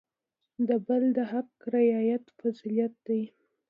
د بل د حق رعایت فضیلت دی.